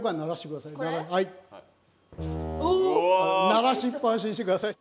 鳴らしっぱなしにして下さい。